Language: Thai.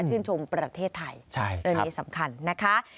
ชื่นชมประเทศไทยเรื่องนี้สำคัญนะคะ